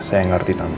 saya ngerti tante